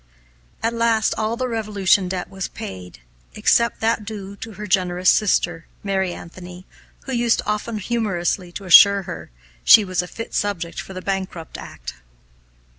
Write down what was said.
At last all the Revolution debt was paid, except that due to her generous sister, Mary Anthony, who used often humorously to assure her she was a fit subject for the bankrupt act.